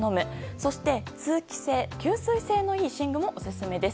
そして通気性、吸水性の良い寝具もオススメです。